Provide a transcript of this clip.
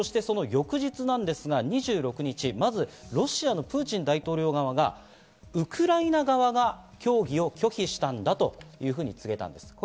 その翌日２６日、ロシアのプーチン大統領側がウクライナ側が協議を拒否したんだというふうに告げたんです。